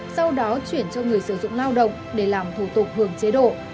sau đó chuyển cho người sử dụng lao động để làm thủ tục hưởng chế độ